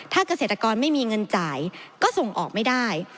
ถ้าเกษตรกรไม่มีเงินจ่ายก็ส่งออกไม่ได้